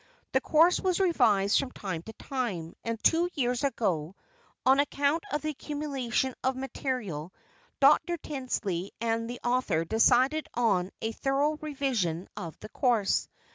The course was revised from time to time, and two years ago, on account of the accumulation of material, Dr. Tildsley and the author decided on a thorough revision of the course.